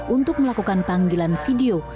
untuk melakukan panggilan video